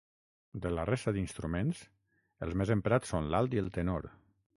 De la resta d'instruments, els més emprats són l'alt i el tenor.